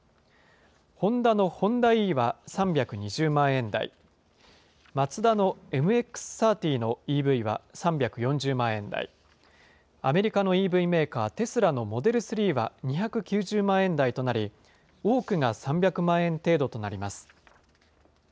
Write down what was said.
ホンダのＨｏｎｄａｅは３２０万円台、マツダのＭＸー３０のＥＶは３４０万円台、アメリカのＥＶメーカー、テスラのモデル３は２９０万円台となり、多くが３００万円程度となります。